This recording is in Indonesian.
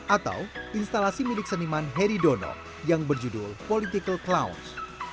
atau instalasi milik seniman heri dono yang berjudul political clouds